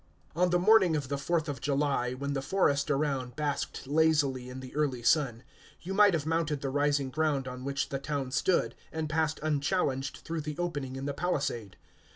On the morning of the fourth of July, when the forest around basked lazily in the early sun, you might have mounted the rising ground on which the town stood, and passed unchallenged through the opening in the palisade.